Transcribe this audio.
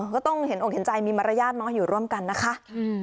ก็ต้องเห็นอกเห็นใจมีมารยาทมาอยู่ร่วมกันนะคะ